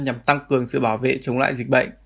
nhằm tăng cường sự bảo vệ chống lại dịch bệnh